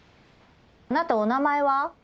あなたお名前は？